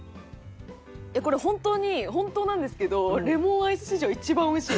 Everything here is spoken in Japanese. これ本当に本当なんですけどレモンアイス史上一番おいしい。